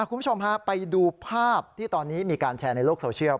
คุณผู้ชมฮะไปดูภาพที่ตอนนี้มีการแชร์ในโลกโซเชียล